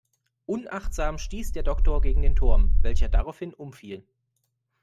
Unachtsam stieß der Doktor gegen den Turm, welcher daraufhin umfiel.